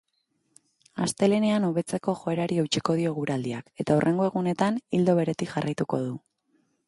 Astelehenean hobetzeko joerari eutsiko dio eguraldiak eta hurrengo egunetan ildo beretik jarraituko du.